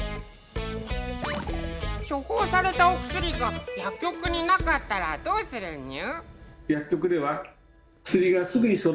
処方されたお薬が薬局になかったらどうするにゅ。